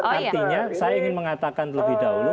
artinya saya ingin mengatakan terlebih dahulu